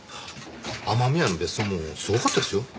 雨宮の別荘もすごかったですよ。